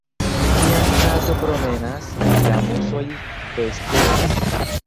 Kiam kato promenas, la musoj festenas.